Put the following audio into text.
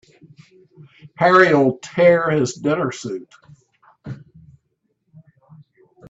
Harry'll tear his dinner suit.